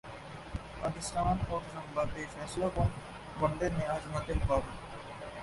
پاکستان اور زمبابوے فیصلہ کن ون ڈے میں اج مدمقابل